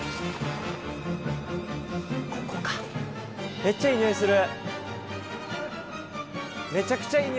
めっちゃいい匂いする。